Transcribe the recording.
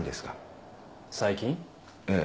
ええ。